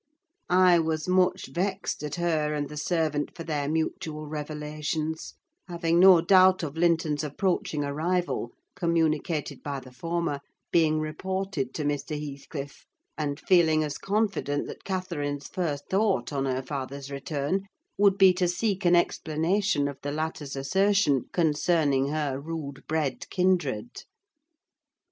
I was much vexed at her and the servant for their mutual revelations; having no doubt of Linton's approaching arrival, communicated by the former, being reported to Mr. Heathcliff; and feeling as confident that Catherine's first thought on her father's return would be to seek an explanation of the latter's assertion concerning her rude bred kindred.